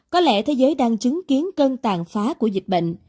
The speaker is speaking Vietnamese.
có lẽ thế giới đang chứng kiến cơn tàn phá của dịch bệnh